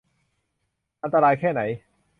อันตรายแค่ไหน